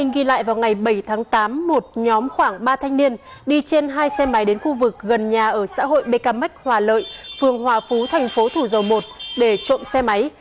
anh ghi lại vào ngày bảy tháng tám một nhóm khoảng ba thanh niên đi trên hai xe máy đến khu vực gần nhà ở xã hội bkm hoà lợi phường hòa phú tp thủ dầu một để trộm xe máy